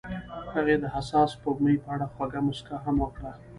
هغې د حساس سپوږمۍ په اړه خوږه موسکا هم وکړه.